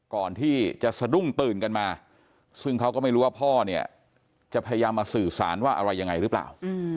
ก่อนที่จะสะดุ้งตื่นกันมาซึ่งเขาก็ไม่รู้ว่าพ่อเนี่ยจะพยายามมาสื่อสารว่าอะไรยังไงหรือเปล่า